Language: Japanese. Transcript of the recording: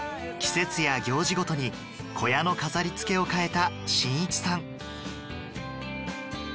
季節や行事ごとに小屋の飾りつけを変えた伸一さん